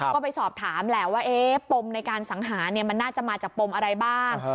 ก็ไปสอบถามแหละว่าปมในการสังหารมันน่าจะมาจากปมอะไรบ้าง